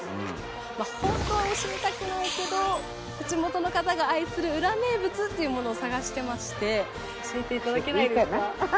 本当は教えたくないけど地元の方が愛する裏名物っていうものを探してまして教えていただけないですか？